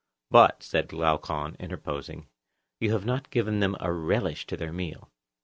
But, said Glaucon, interposing, you have not given them a relish to their meal.